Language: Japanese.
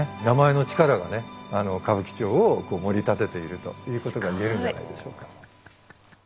名前の力がね歌舞伎町を盛り立てているということが言えるんじゃないでしょうか。